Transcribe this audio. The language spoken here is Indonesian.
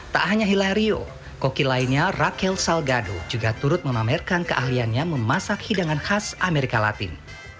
tak hanya hilario koki lainnya raqel salgado juga turut memamerkan keahliannya memasak hidangan khas amerika latin